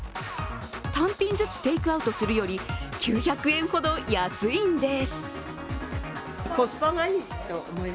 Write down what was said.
単品ずつテイクアウトするより９００円ほど安いんです。